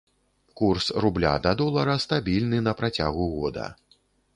Курс рубля да долара стабільны на працягу года.